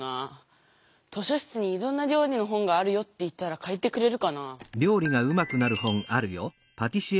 「図書室にいろんなりょうりの本があるよ」って言ったらかりてくれるかなぁ？